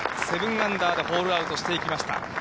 ７アンダーでホールアウトしていきました。